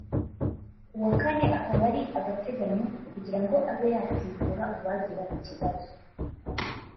uwa kane akaba ari agateganyo kugira ngo abe yasimbura uwagira ikibazo